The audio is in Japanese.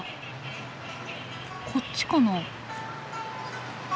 こっちかな。